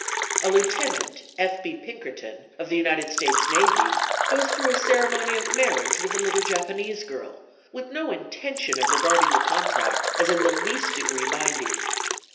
A lieutenant, F. B. Pinkerton, of the United States Navy, goes through a ceremony of marriage with a little Japanese girl, with no intention of regarding the contract as in the least degree binding.